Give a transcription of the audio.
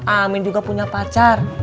amin juga punya pacar